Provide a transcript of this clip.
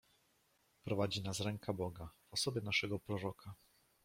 "Prowadzi nas ręka Boga, w osobie naszego Proroka."